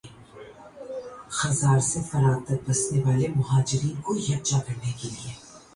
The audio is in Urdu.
جوہری ہتھیاروں سے لیس یہ ملک خطے کا ایک طاقتور ملک ہے